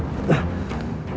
dia belum jauh dari sini